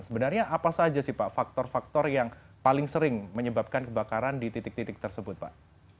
sebenarnya apa saja sih pak faktor faktor yang paling sering menyebabkan kebakaran di titik titik tersebut pak